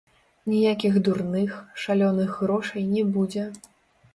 Ніякіх дурных, шалёных грошай не будзе.